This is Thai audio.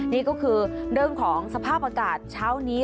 นี่ก็คือเรื่องของสภาพอากาศเช้านี้